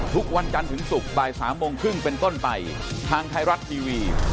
สวัสดีครับ